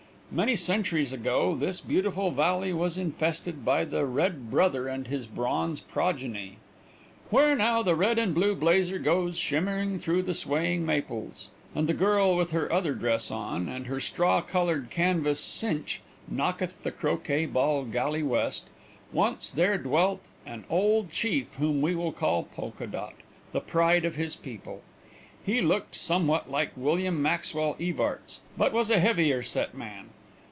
Many centuries ago this beautiful valley was infested by the red brother and his bronze progeny. Where now the red and blue blazer goes shimmering through the swaying maples, and the girl with her other dress on and her straw colored canvas cinch knocketh the croquet ball galley west, once there dwelt an old chief whom we will call Polka Dot, the pride of his people. He looked somewhat like William Maxwell Evarts, but was a heavier set man.